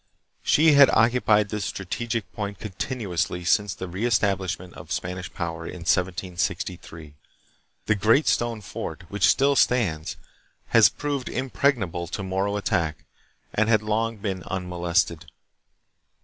She had occupied this strategic point continuously since the reestablishment of Spanish power in 1763. The great stone fort, which still stands, had proved impregnable to Moro attack, and had long been unmolested.